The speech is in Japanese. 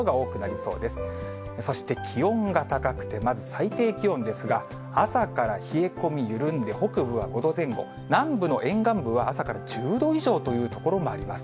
そして気温が高くて、まず最低気温ですが、朝から冷え込み緩んで、北部は５度前後、南部の沿岸部は、朝から１０度以上という所もあります。